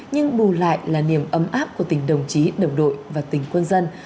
nhưng bù lại là niềm ấm áp của tình đồng chí đồng đội và tình quân dân